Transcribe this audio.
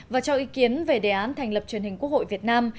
và cho ý kiến về đề án thành lập truyền hình quốc hội việt nam